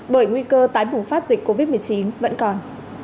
bởi nguy cơ tái bùng phát dịch covid một mươi chín vẫn còn